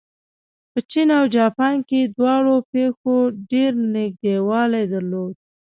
په چین او جاپان کې دواړو پېښو ډېر نږدېوالی درلود.